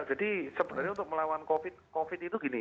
jadi sebenarnya untuk melawan covid itu gini